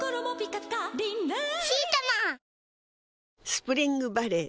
スプリングバレー